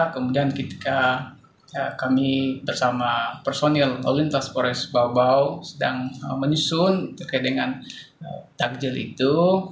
kemudian ketika kami bersama personil lalu lintas polres babau sedang menyusun terkait dengan takjil itu